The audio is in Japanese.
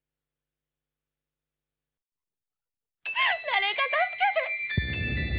誰か助けて！